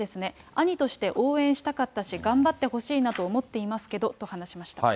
兄として応援したかったし、頑張ってほしいなと思っていますけどと話しました。